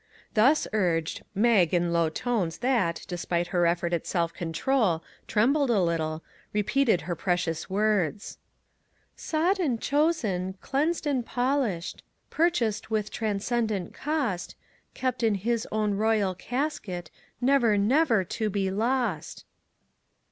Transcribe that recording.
Thus urged, Mag in low tones that, despite her effort at self control, trembled a little, repeated her precious words: 93 MAG AND MARGARET " Sought and chosen, cleansed and polished, Purchased with transcendent cost, Kept in his own royal casket, Never, never to be lost."